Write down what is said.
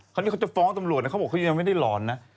เขาจะฟ้องตำรวจนะเขาบอกเขายังไม่ได้หลอนนะ